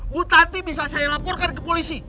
bu tati bisa saya laporkan ke polisi